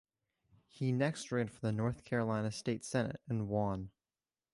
He next ran for the North Carolina State Senate and won.